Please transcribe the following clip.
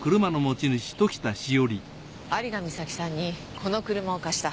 有賀美咲さんにこの車を貸した？